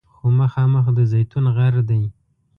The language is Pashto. خو مخامخ د زیتون غر دی.